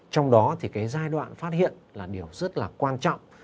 trong đó giai đoạn phát hiện là điều rất quan trọng